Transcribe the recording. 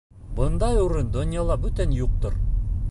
Бындай урын донъяла бүтән юҡтыр.